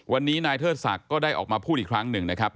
วันนี้นายเทิดศักดิ์ก็ได้ออกมาพูดอีกครั้งหนึ่งนะครับ